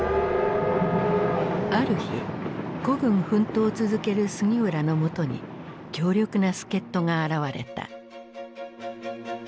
ある日孤軍奮闘を続ける杉浦の元に強力な助っ人が現れた。